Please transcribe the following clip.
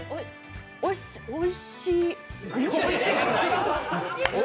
おいしい？